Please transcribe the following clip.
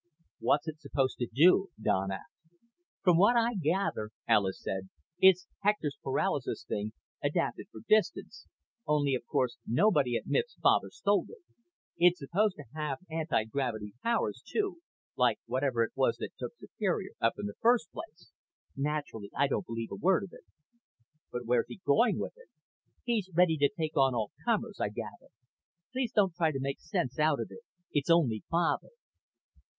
"What's it supposed to do?" Don asked. "From what I gather," Alis said, "it's Hector's paralysis thing, adapted for distance. Only of course nobody admits Father stole it. It's supposed to have antigravity powers, too, like whatever it was that took Superior up in the first place. Naturally I don't believe a word of it." "But where's he going with it?" "He's ready to take on all comers, I gather. Please don't try to make sense out of it. It's only Father."